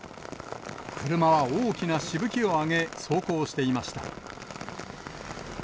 車は大きなしぶきを上げ走行していました。